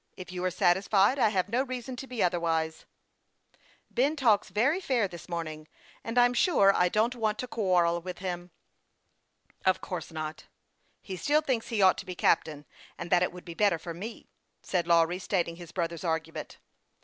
If you are satisfied, I have no reason to be otherwise." " Ben talks very fair this morning ; and I'm sure I don't want to quarrel with him." " Of course not." " He still thinks he ought to be captain, and that it would be better for me ;" and Lawry stated his brother's argument.